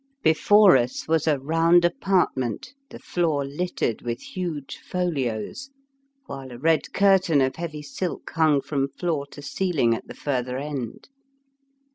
Before us was a round apartment, the floor littered with huge folios, while a red curtain of heavy silk hung from floor to ceiling at the fur ther end.